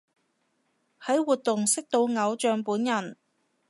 喺活動識到偶像本人